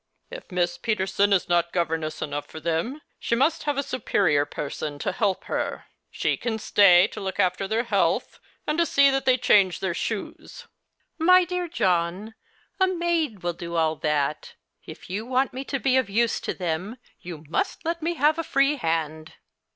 If Miss Peterson is not governess enough for them she must have a superior person to help her. 8he can stay to look after their health, and see that they change their shoes." " My dear John, a maid will do all that. If you want me to be of use to them you must let me have a free hand."